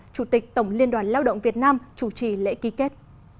chủ tịch tổng liên đoàn lao động việt nam chủ trì lễ ký kết